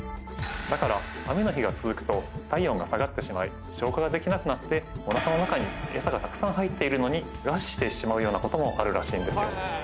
だから、雨の日が続くと、体温が下がってしまい、消化ができなくなっておなかの中に餌がたくさん入っているのに、餓死してしまうようなこともあるらしいんですよ。